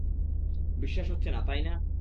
বিশ্বাস হচ্ছে না, তাই না?